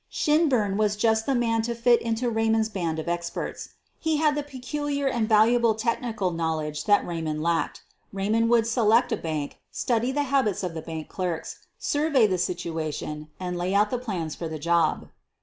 Shinburn was just the man to fit into Raymond's band of experts. He had the peculiar and valuable technical knowledge that Raymond lacked. Ray mond would select a bank, study the habits of the bank clerks, survey the situation, and lay out the plans for the job.